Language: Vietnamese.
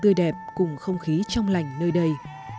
tươi đẹp cùng không khí trong lành nơi đây